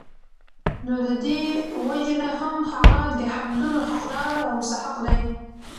نو د دي وجي نه هم هغه د حمدونو حقدار او مستحق دی